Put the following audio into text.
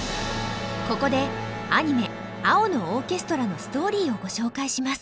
ここでアニメ「青のオーケストラ」のストーリーをご紹介します。